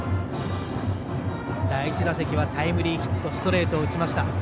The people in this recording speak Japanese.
第１打席はタイムリーヒットストレートを打ちました。